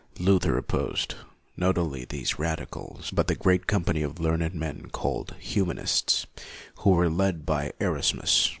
Luther opposed, not only these radicals, but the great company of learned men called Humanists, who were led by Erasmus.